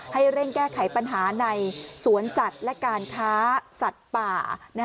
ให้เร่งแก้ไขปัญหาในสวนสัตว์และการค้าสัตว์ป่า